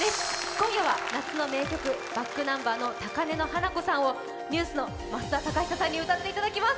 今夜は夏の名曲、ｂａｃｋｎｕｍｂｅｒの「高嶺の花子さん」をＮＥＷＳの増田貴久さんに歌っていただきます！